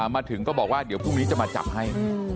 มาถึงก็บอกว่าเดี๋ยวพรุ่งนี้จะมาจับให้